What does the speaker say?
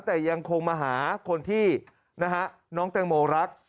แต่ยังคงมาหาคนที่น้องแตงโมรัก